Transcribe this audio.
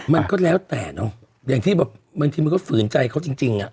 มันก็แล้วแต่เนาะบางทีมันก็ฝืนใจเขาจริง